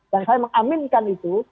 dan saya mengaminkan itu